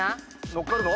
乗っかるの？